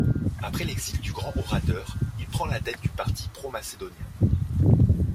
Après l'exil du grand orateur, il prend la tête du parti pro-macédonien.